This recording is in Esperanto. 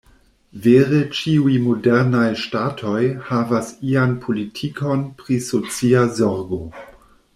Vere ĉiuj modernaj ŝtatoj havas ian politikon pri socia zorgo.